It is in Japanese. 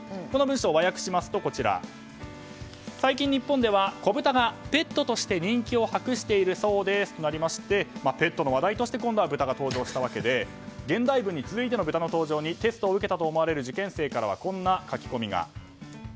この文章を和訳しますと最近日本では子豚がペットとして人気を博しているそうですとなりましてペットの話題として今度は豚が登場したわけで現代文に続いて豚の登場にテストを受けたと思われる受験生からは、こんな書き込みが。